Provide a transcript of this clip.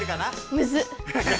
むずっ。